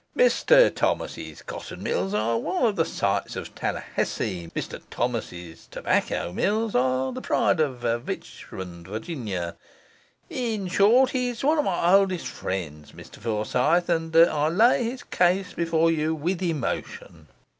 'Mr Thomas's cotton mills are one of the sights of Tallahassee; Mr Thomas's tobacco mills are the pride of Richmond, Va.; in short, he's one of my oldest friends, Mr Forsyth, and I lay his case before you with emotion.